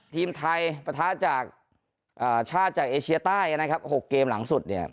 ทีมไทยประทะจากชาติจากเอเชียใต้นะครับ๖เกมหลังสุดเนี่ย